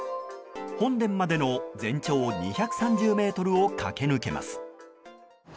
本殿までの全長２３０ｍを駆け抜けます。